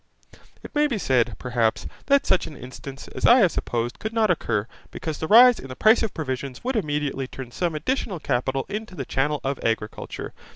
It may be said, perhaps, that such an instance as I have supposed could not occur, because the rise in the price of provisions would immediately turn some additional capital into the channel of agriculture.